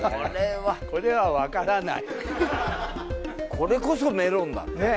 これこそメロンだろ。